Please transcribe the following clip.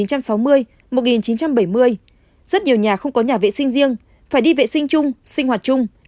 rất nhiều nhà không có nhà vệ sinh riêng phải đi vệ sinh chung sinh hoạt chung